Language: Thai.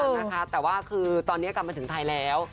นะคะแต่ว่าคือตอนนี้กลับมาถึงไทยแล้ว